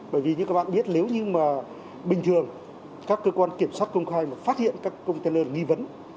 bởi vì như các bạn biết nếu như mà bình thường các cơ quan kiểm soát công khai mà phát hiện các container nghi vấn